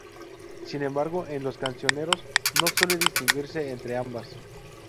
Sin embargo, en los cancioneros no suele distinguirse entre ambas.